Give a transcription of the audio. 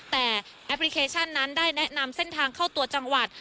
แต่แอปพลิเคชันนั้นได้แนะนำเส้นทางเข้าตัวจังหวัด